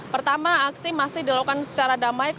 pertama aksi masih dilakukan secara damai